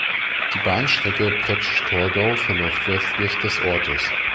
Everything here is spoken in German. Die Bahnstrecke Pretzsch–Torgau verläuft westlich des Ortes.